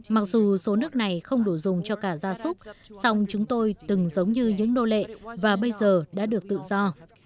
mặc dù số nước này không đủ dùng cho cả gia súc song chúng tôi từng giống như những nô lệ và bây giờ đã được tự do